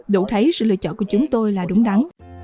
đủ thấy sự lựa chọn của chúng tôi là đúng đắn